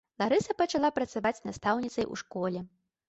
Ларыса пачынала працаваць настаўніцай у школе.